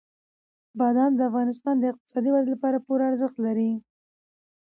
بادام د افغانستان د اقتصادي ودې لپاره پوره ارزښت لري.